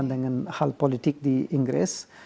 dengan hal politik di inggris